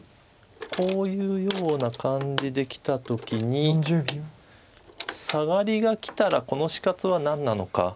こういうような感じできた時にサガリがきたらこの死活は何なのか。